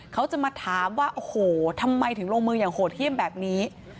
เขาจะมาถามว่าโอ้โหทำไมถึงลงมืออย่างโหดเยี่ยมแบบนี้